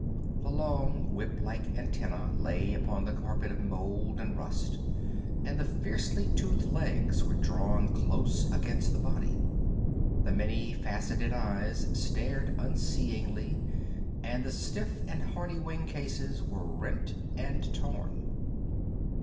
The long, whiplike antennæ lay upon the carpet of mold and rust, and the fiercely toothed legs were drawn close against the body. The many faceted eyes stared unseeingly, and the stiff and horny wing cases were rent and torn.